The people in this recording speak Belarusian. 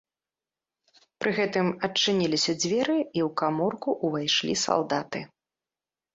Пры гэтым адчыніліся дзверы, і ў каморку ўвайшлі салдаты.